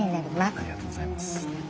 ありがとうございます。